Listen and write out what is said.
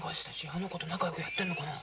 あの子と仲よくやってるのかなあ。